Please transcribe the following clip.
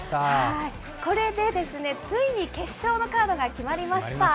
これでついに決勝のカードが決まりました。